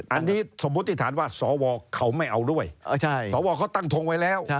อันนี้สมมุติฐานว่าสวเขาไม่เอาด้วยสวเขาตั้งทงไว้แล้ว